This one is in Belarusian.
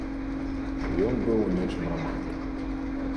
Ён быў у нечым рамантык.